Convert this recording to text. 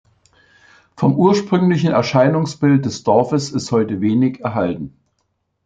Vom ursprünglichen Erscheinungsbild des Dorfes ist heute wenig erhalten.